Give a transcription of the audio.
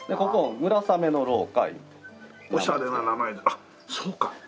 あっそうか！